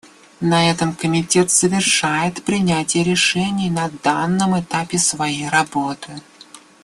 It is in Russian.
На этом Комитет завершает принятие решений на данном этапе своей работы.